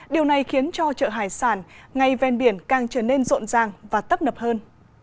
điều này khiến cho chợ hải sản ngay ven biển càng trở nên rộn ràng và tấp nập hơn